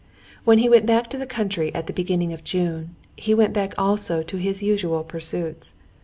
When he went back to the country at the beginning of June, he went back also to his usual pursuits.